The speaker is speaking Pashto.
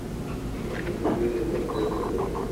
غني خیل مارکیټ لري؟